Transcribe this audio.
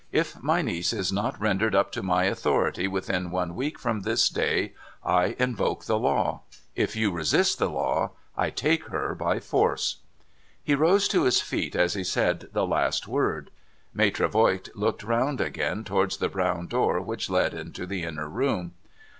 ' If my niece is not rendered up io my authority within one week from this day, I invoke the law. If you resist the law, I take her by force.' He rose to his feet as he said the last word. Maitre Voigt looked round again towards the brown door which led into the inner room.